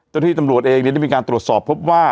เจ้าที่ตำรวจเองได้มีการตรวจสอบพบว่า